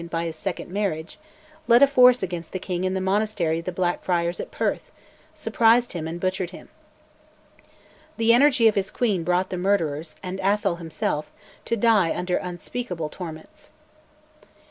by his second marriage), led a force against the King in the monastery of the Black Friars at Perth, surprised him, and butchered him. The energy of his Queen brought the murderers, and Atholl himself, to die under unspeakable torments.